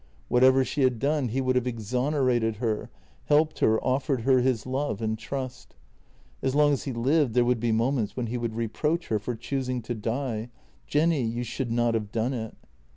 Whatever she had done he would have exonerated her, helped her, offered her his love and trust. As long as he lived there would be moments when he would reproach her for choosing to die — Jenny, you should not have done it.